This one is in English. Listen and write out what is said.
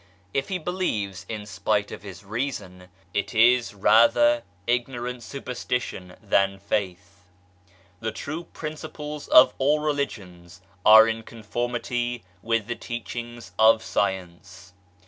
If he believes in spite of his reason, it is rather ignorant superstition than faith. The true principles of all Religions are in conformity with the teachings of Science.